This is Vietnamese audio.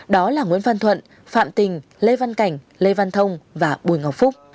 đó là nguyễn văn thuận phạm tình lê văn cảnh lê văn thông và bùi ngọc phúc